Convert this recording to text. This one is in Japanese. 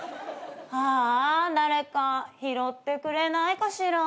ハァ誰か拾ってくれないかしら。